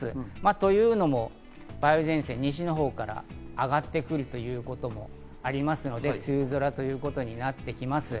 というのも、梅雨前線が西の方から上がってくるということもありますので、梅雨空ということになってきます。